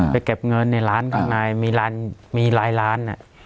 ไปเก็บเงินในร้านข้างในมีร้านมีหลายร้าน